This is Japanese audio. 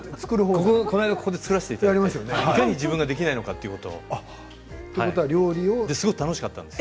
この間、ここで作らせてもらっていかに自分ができないのかということがすごく楽しかったです。